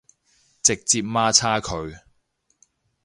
直接媽叉佢